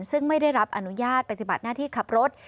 ซึ่งไม่ได้รับอนุญาตปฏิบัติหน้าที่ขับรถ